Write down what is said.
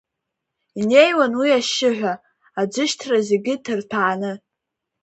Инеиуан уи ашьшьыҳәа, аӡышьҭра зегьы ҭырҭәааны.